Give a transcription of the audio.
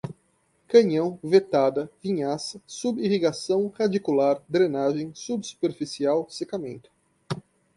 canhão, vetada, vinhaça, sub irrigação, radicular, drenagem, subsuperficial, secamento